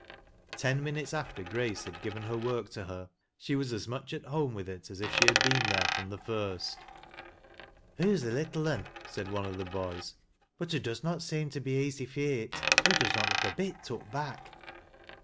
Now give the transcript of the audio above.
Ten minutes after Grace had given her work to her she was as much at home with it as if she had been there from the first. " Hoo's a little uu," said one of the boys, " but hoc does na seem to be easy feart. Hoo does not look a bit tuk back."